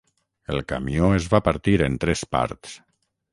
El camió es va partir en tres parts.